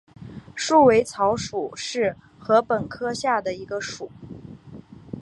束尾草属是禾本科下的一个属。